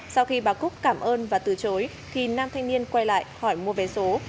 sau khi bà cúc cảm ơn và từ chối thì nam thanh niên quay lại hỏi mua vé số